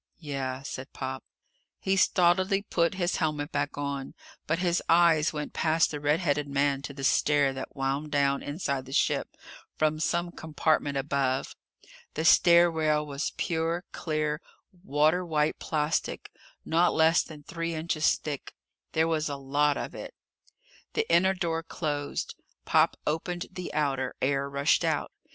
"Yeah," said Pop. He stolidly put his helmet back on. But his eyes went past the red headed man to the stair that wound down, inside the ship, from some compartment above. The stair rail was pure, clear, water white plastic, not less than three inches thick. There was a lot of it! The inner door closed. Pop opened the outer. Air rushed out.